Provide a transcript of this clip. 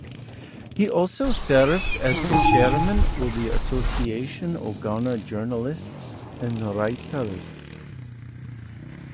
He also served as the Chairman of the Association of Ghana Journalists and Writers.